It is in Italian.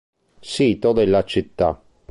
Sito della Citta